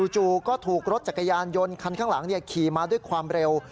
จู่ก็ถูกรถจักรยานยนต์คันข้างหลังขี่มาด้วยความเร็ว